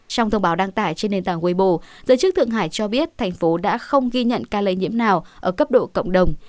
trong thông báo đăng tải trên nền tảng webo giới chức thượng hải cho biết thành phố đã không ghi nhận ca lây nhiễm nào ở cấp độ cộng đồng